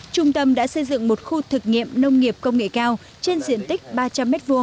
trung tâm đã xây dựng một khu thực nghiệm nông nghiệp công nghệ cao trên diện tích ba trăm linh m hai